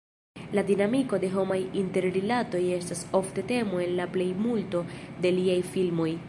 La dinamiko de homaj interrilatoj estas ofta temo en la plejmulto de liaj filmoj.